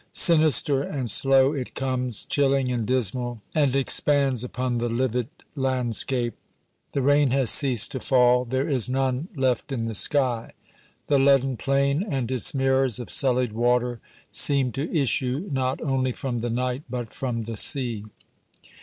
Sinister and slow it comes, chilling and dismal, and expands upon the livid landscape. The rain has ceased to fall there is none left in the sky. The leaden plain and its mirrors of sullied water seem to issue not only from the night but from the sea.